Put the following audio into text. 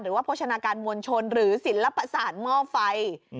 โภชนาการมวลชนหรือศิลปศาสตร์หม้อไฟ